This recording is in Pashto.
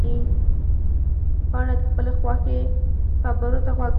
پاڼه د خپلې خواښې خبرو ته غوږ وه.